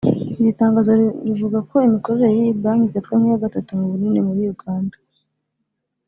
Iri tangazo rivuga ko imikorere y’iyi banki ifatwa nk’iya gatatu mu bunini muri Uganda